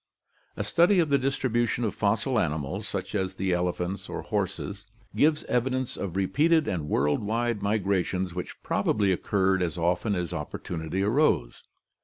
A study of the distribution of fossil animals such as the elephants or horses (see Chapters XXXTV and XXXV) gives evidence of repeated and world wide migrations which probably occurred as often as oppor tunity arose.